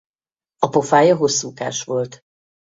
A pofája hosszúkás volt.